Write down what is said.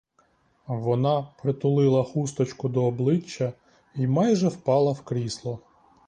Вона притулила хусточку до обличчя й майже впала в крісло.